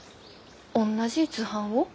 おんなじ図版を？